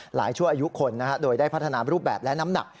ชั่วอายุคนโดยได้พัฒนารูปแบบและน้ำหนัก